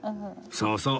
そうそう。